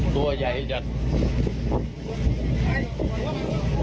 ตัวใหญ่จัด